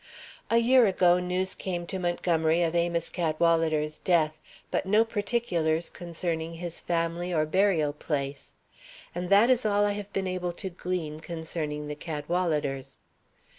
A year ago news came to Montgomery of Amos Cadwalader's death, but no particulars concerning his family or burial place. And that is all I have been able to glean concerning the Cadwaladers."